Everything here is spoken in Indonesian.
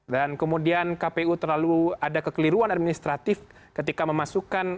dan kemudian kpu terlalu ada kekeliruan administratif ketika memasukkan